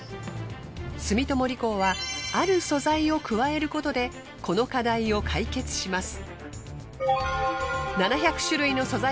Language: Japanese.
住友理工はある素材を加えることでこの課題を解決します。